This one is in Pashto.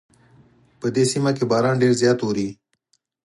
په دې سیمه کې باران ډېر زیات اوري